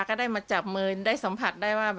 คือเราจะตัดทางนั้นออกไปเลย